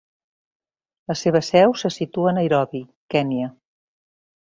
La seva seu se situa a Nairobi, Kenya.